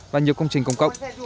và nhiều công trình công cộng